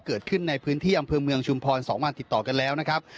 เกิดขึ้นในพื้นที่อำเภอเมืองชุมพร๒วันติดต่อกันแล้วนะครับ